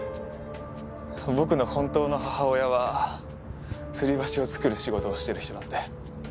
僕の本当の母親はつり橋を造る仕事をしてる人だって。